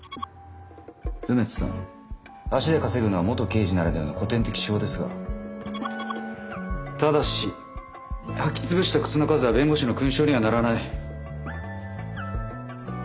梅津さん足で稼ぐのは元刑事ならではの古典的手法ですがただし履き潰した靴の数は弁護士の勲章にはならない。